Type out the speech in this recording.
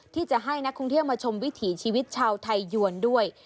ที่จะให้นักท่องเที่ยวมาชมวิถีชีวิตชาวไทยยวนด้วย